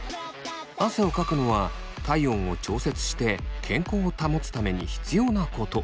汗をかくのは体温を調節して健康を保つために必要なこと。